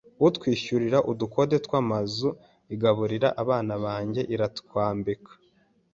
itwishyurira ubukode bw’amazu, igaburira abana banjye iratwambika